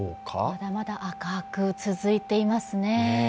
まだまだ赤く続いていますね。